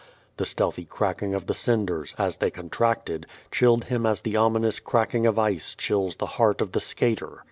The stealthy cracking of the cinders, as they contracted, chilled him as the ominous cracking of ice chills the heart of the skater.